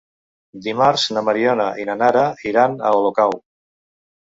Dimarts na Mariona i na Nara iran a Olocau.